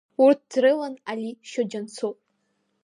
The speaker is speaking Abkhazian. Урҭ дрылан Али Шьоџьанцыҟә.